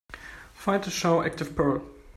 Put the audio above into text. Find the show ActivePerl